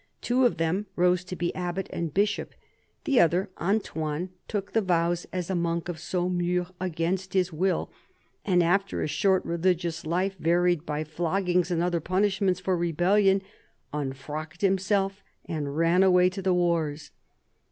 Two of them rose to be abbot and bishop ; the other, Antoine, took the vows as a monk at Saumur against his will, and after a short religious life varied by floggings and other punishments for rebellion, unfrocked himself and ran away to the wars.